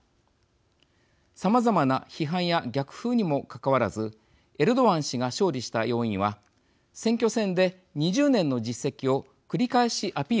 さまざまな批判や逆風にもかかわらずエルドアン氏が勝利した要因は選挙戦で２０年の実績を繰り返しアピールしたこと。